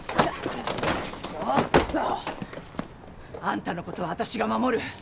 ちょっと。あんたのことは私が守る。